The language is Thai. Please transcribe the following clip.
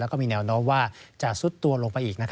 แล้วก็มีแนวโน้มว่าจะซุดตัวลงไปอีก